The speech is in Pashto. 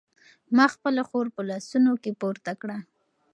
ما خپله خور په لاسونو کې پورته کړه.